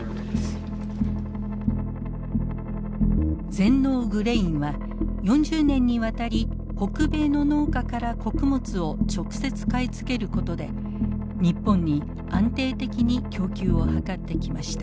全農グレインは４０年にわたり北米の農家から穀物を直接買い付けることで日本に安定的に供給を図ってきました。